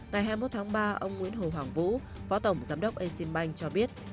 ngày hai mươi một tháng ba ông nguyễn hồ hoàng vũ phó tổng giám đốc exim bank cho biết